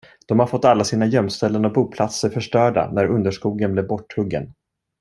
De har fått alla sina gömställen och boplatser förstörda, när underskogen blev borthuggen.